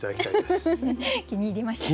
気に入りましたか？